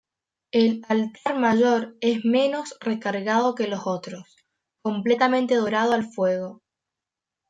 El altar mayor es menos recargado que los otros, completamente dorado al fuego.